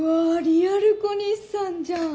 リアル小西さんじゃん。